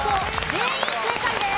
全員正解です。